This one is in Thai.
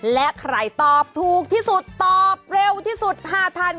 และใครตอบถูกที่สุดตอบเร็วที่สุด๕ท่าน